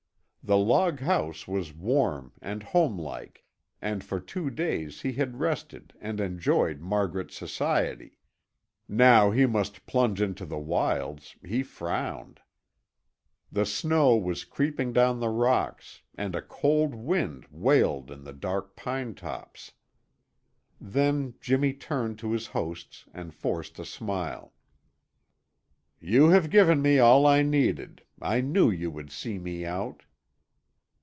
The loghouse was warm and home like, and for two days he had rested and enjoyed Margaret's society. Now he must plunge into the wilds, he frowned. The snow was creeping down the rocks and a cold wind wailed in the dark pine tops. Then Jimmy turned to his hosts and forced a smile. "You have given me all I needed; I knew you would see me out."